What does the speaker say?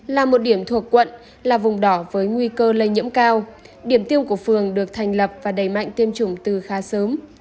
là một điểm thuộc quận là vùng đỏ với nguy cơ lây nhiễm cao điểm tiêu của phường được thành lập và đầy mạnh tiêm chủng từ khá sớm